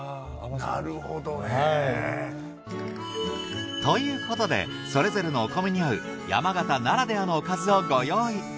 なるほどね。ということでそれぞれのお米に合う山形ならではのおかずをご用意！